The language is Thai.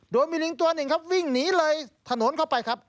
โดยมีลิงตัวหนึ่งครับวิ่งหนีเลยถนนเข้าไปครับ